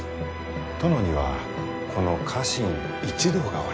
殿にはこの家臣一同がおります。